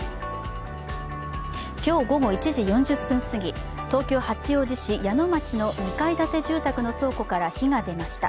今日午後１時４０分すぎ、東京・八王子市谷野町の２階建て住宅の倉庫から火が出ました。